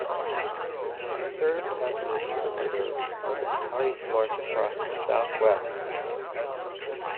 He served as an interpreter on the Battalion's march across the Southwest.